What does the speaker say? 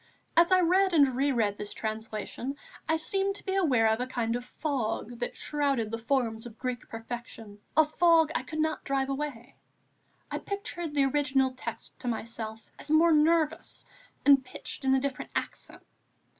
As I read and re read this translation, I seemed to be aware of a kind of fog that shrouded the forms of Greek perfection, a fog I could not drive away. I pictured the original text to myself as more nervous and pitched in a different accent.